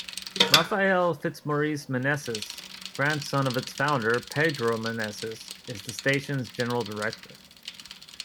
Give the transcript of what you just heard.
Rafael Fitzmaurice Meneses, grandson of its founder, Pedro Meneses, is the station's general director.